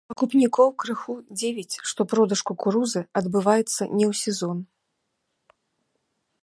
Пакупнікоў крыху дзівіць, што продаж кукурузы адбываецца не ў сезон.